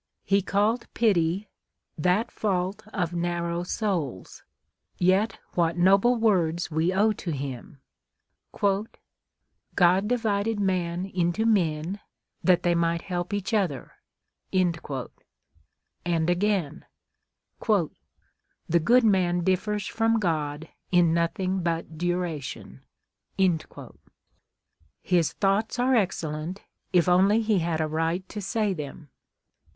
He called " pity, that INTRODUCTION. λΙΧ fault of narrow souls." Yet Λvhat noble words we owe to him :" God divided man into men, that they might help each other ;" and again," The good man differs from God in nothing but dura tion." His thoughts are excellent, if only he had a right to say them.